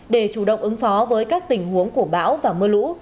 để chủ động ứng phó với các tình huống của bão và mưa lũ